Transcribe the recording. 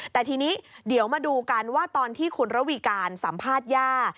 แต่ทีนี้เดี๋ยวมาดูกันว่าตอนที่คุณระวีการสัมภาษณ์ย่า